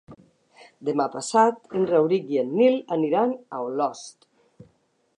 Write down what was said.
Demà passat en Rauric i en Nil aniran a Olost.